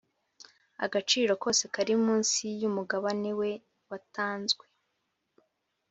Agaciro kose Kari munsi y’umugabane we watanzwe